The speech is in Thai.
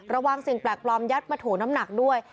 สิ่งแปลกปลอมยัดมาถูน้ำหนักด้วย